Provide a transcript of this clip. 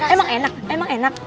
emang enak emang enak